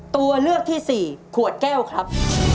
ตัวเลือกที่สี่ขวดแก้วครับ